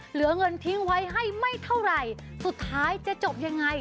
เหลือเงินทิ้งไว้ให้ไม่เท่าไหร่สุดท้ายจะจบยังไง